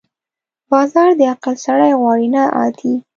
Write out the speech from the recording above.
بازار د عقل سړی غواړي، نه عادي.